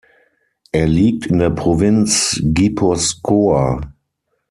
Er liegt in der Provinz Gipuzkoa.